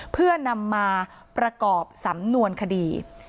เพื่อนำมาประกอบสำนวนคดี